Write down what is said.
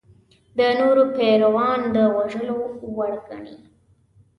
د نورو پیروان د وژلو وړ ګڼي.